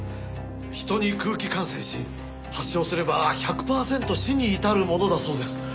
人に空気感染し発症すれば１００パーセント死に至るものだそうです。